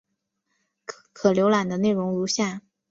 可浏览的内容如下。